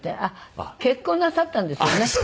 あっ結婚なさったんですよね。